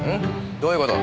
どういう事。